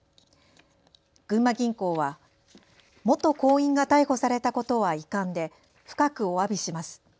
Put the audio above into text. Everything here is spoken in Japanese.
群馬銀行は、元行員が逮捕されたことは遺憾で深くおわびします。